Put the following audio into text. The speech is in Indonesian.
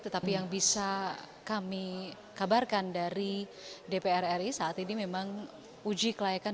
tetapi yang bisa kami kabarkan dari dpr ri saat ini memang uji kelayakan